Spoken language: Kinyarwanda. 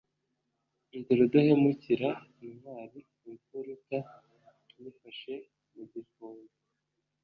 Ndi rudahemukira intwali, imfuruta nyifashe mu gifunga